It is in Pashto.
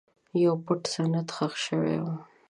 یو پټ سند ښخ شوی و.